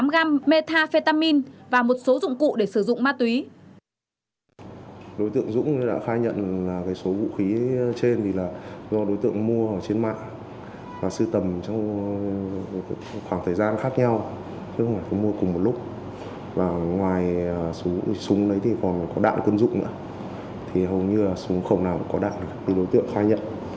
một một trăm bảy mươi tám gam metafetamin và một số dụng cụ để sử dụng ma túy